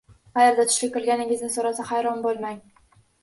Qayerda tushlik qilganingizni so‘rasa, hayron bo‘lmang.